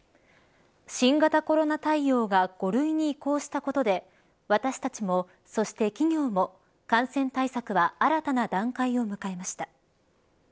新型コロナ対応が５類に移行したことで私たちも、そして企業も感染対策は新たな段階を迎えました。